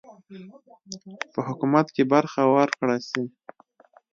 په حکومت کې برخه ورکړه سي.